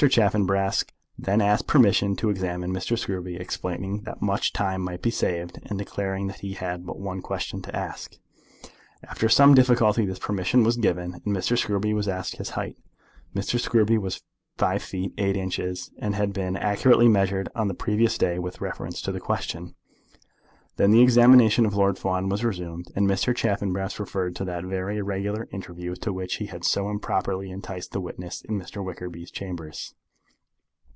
Chaffanbrass then asked permission to examine Mr. Scruby, explaining that much time might be saved, and declaring that he had but one question to ask him. After some difficulty this permission was given him, and Mr. Scruby was asked his height. Mr. Scruby was five feet eight inches, and had been accurately measured on the previous day with reference to the question. Then the examination of Lord Fawn was resumed, and Mr. Chaffanbrass referred to that very irregular interview to which he had so improperly enticed the witness in Mr. Wickerby's chambers.